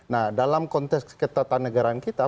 nah dalam konteks ketatanegaraan kita